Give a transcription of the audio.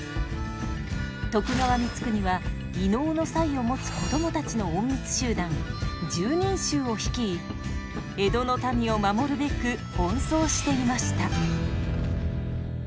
徳川光圀は異能の才を持つ子供たちの隠密集団拾人衆を率い江戸の民を守るべく奔走していました。